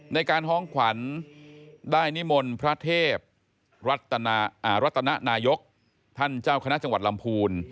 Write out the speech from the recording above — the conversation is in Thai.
ในการฮ้องขวัญได้นิมนต์พระเทพรัตนนายกท่านเจ้าคณะจังหวัดลำพูน